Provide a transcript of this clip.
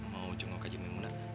mau cengok aja memulai